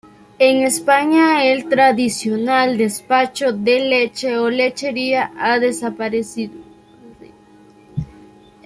En España, el tradicional despacho de leche o lechería ha desaparecido.